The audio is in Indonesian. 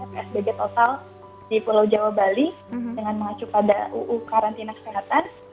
psbb total di pulau jawa bali dengan mengacu pada uu karantina kesehatan